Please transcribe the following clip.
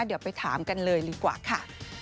เดี๋ยวไปถามกันเลยดีกว่าค่ะ